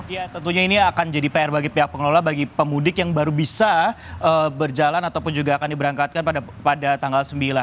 ya tentunya ini akan jadi pr bagi pihak pengelola bagi pemudik yang baru bisa berjalan ataupun juga akan diberangkatkan pada tanggal sembilan